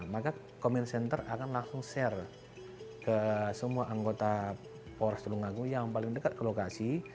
maka comment center akan langsung share ke semua anggota polres tulungagung yang paling dekat ke lokasi